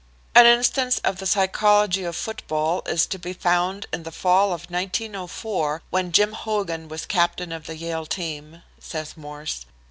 "An instance of the psychology of football is to be found in the fall of 1904, when Jim Hogan was captain of the Yale team," says Morse.